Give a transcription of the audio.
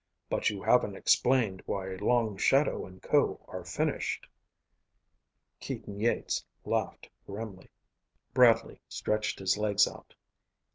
"But you haven't explained why Long Shadow and Ko are finished." Keaton Yeats laughed grimly. Bradley stretched his legs out.